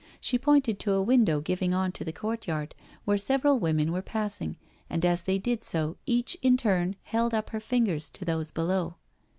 She pointed to a window giving on to the court 3rard, where several women were passing, and as they did so each in turn held up her fingers to those below.